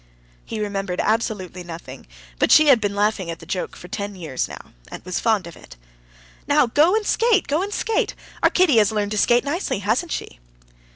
He remembered absolutely nothing, but she had been laughing at the joke for ten years now, and was fond of it. "Now, go and skate, go and skate. Our Kitty has learned to skate nicely, hasn't she?"